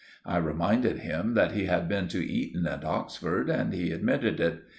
I reminded him that he had been to Eton and Oxford, and he admitted it.